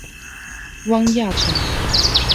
汪亚尘。